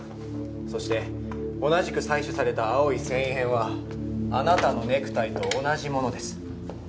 そして同じく採取された青い繊維片はあなたのネクタイと同じものです。